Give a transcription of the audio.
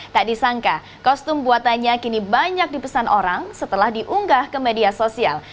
tak disangka kostum buatannya kini banyak dipesan orang setelah diunggah ke media sosial